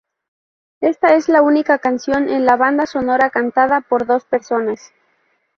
Ésta es la única canción en la banda sonora cantada por dos personas.